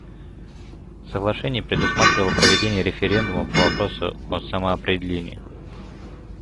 Соглашение предусматривало проведение референдума по вопросу о самоопределении.